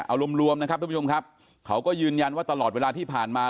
เอารวมรวมนะครับทุกผู้ชมครับเขาก็ยืนยันว่าตลอดเวลาที่ผ่านมา